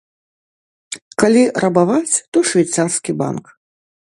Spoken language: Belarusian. Калі рабаваць, то швейцарскі банк!